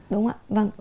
đúng không ạ